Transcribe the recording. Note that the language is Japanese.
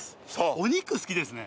お肉好きですね。